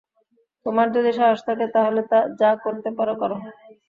তোমার যদি সাহস থেকে, তাহলে যা করতে পারো, করো।